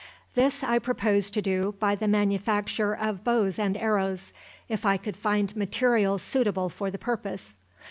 This I proposed to do by the manufacture of bows and arrows, if I could find materials suitable for the purpose.